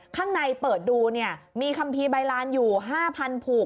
ข้างในเปิดดูเนี่ยมีคัมภีร์ใบลานอยู่๕๐๐ผูก